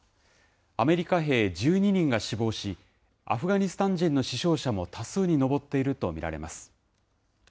アメリカ兵１２人が死亡し、アフガニスタン人の死傷者も多数に上っていると見られます。